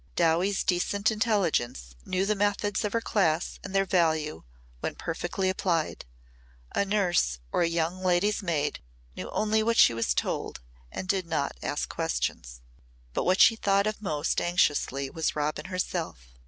Dowie's decent intelligence knew the methods of her class and their value when perfectly applied. A nurse or a young lady's maid knew only what she was told and did not ask questions. But what she thought of most anxiously was Robin herself.